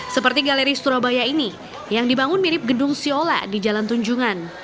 seperti galeri surabaya ini yang dibangun mirip gedung siola di jalan tunjungan